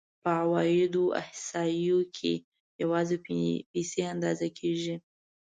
په عوایدو احصایو کې یوازې پیسې اندازه کېږي